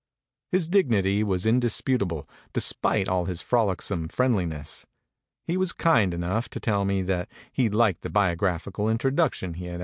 His dignity was indisputa ble, despite all his frolicsome friendliness. He ind enough to tell me that he liked the biographical introduction he IKK!